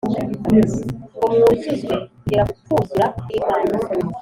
ngo mwuzuzwe kugera ku kwuzura kw'Imana.